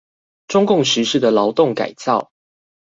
中共實施的勞動改造